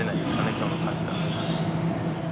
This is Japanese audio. きょうの感じだと。